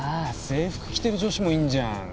制服着てる女子もいんじゃん。